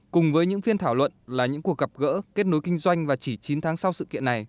cùng với những phiên thảo luận là những cuộc gặp gỡ kết nối kinh doanh và chỉ chín tháng sau sự kiện này